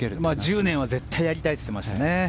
１０年は絶対やりたいって言ってましたね。